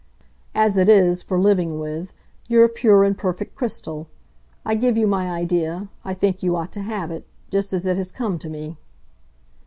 As it is, for living with, you're a pure and perfect crystal. I give you my idea I think you ought to have it just as it has come to me."